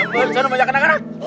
beranak anak ngeneh dengar nengeneh